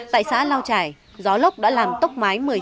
tại xã lao trải gió lốc đã làm tốc mái